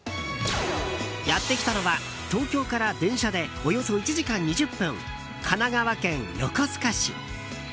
やってきたのは東京から電車で、およそ１時間２０分神奈川県横須賀市。